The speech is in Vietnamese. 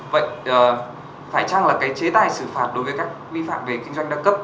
vậy phải chăng là cái chế tài xử phạt đối với các vi phạm về kinh doanh đa cấp